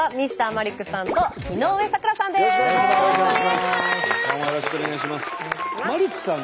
マリックさん